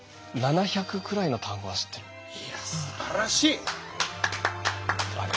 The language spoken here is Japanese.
うんいやすばらしい！